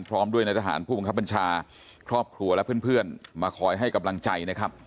พร้อมด้วยในทหารผู้บังคับบัญชาครอบครัวและเพื่อนมาคอยให้กำลังใจนะครับ